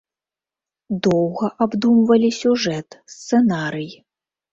Доўга абдумвалі сюжэт, сцэнарый.